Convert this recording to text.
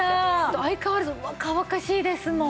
相変わらず若々しいですもん。